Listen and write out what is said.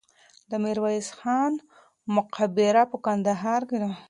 د میرویس خان مقبره په کندهار کې ده.